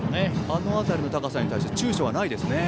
あの辺りの高さにちゅうちょがないですね。